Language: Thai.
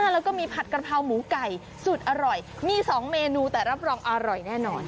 แล้วก็มีผัดกะเพราหมูไก่สุดอร่อยมี๒เมนูแต่รับรองอร่อยแน่นอน